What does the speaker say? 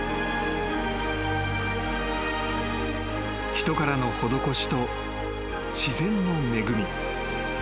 ［人からの施しと自然の恵み］